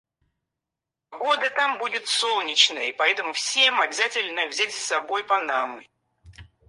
Погода там будет солнечной, поэтому всем обязательно взять с собой панамы.